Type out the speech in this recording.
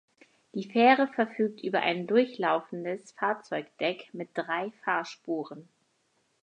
Die Fähre verfügt über ein durchlaufendes Fahrzeugdeck mit drei Fahrspuren.